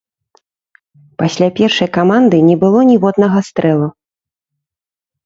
Пасля першай каманды не было ніводнага стрэлу.